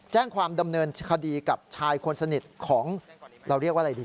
แจ้งความดำเนินคดีกับชายคนสนิทของเราเรียกว่าอะไรดี